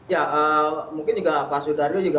ya mungkin juga pak sudaryo juga